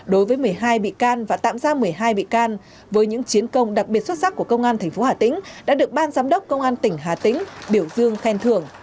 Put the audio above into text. đối với một mươi hai bị can và tạm giam một mươi hai bị can với những chiến công đặc biệt xuất sắc của công an tp hà tĩnh đã được ban giám đốc công an tỉnh hà tĩnh biểu dương khen thưởng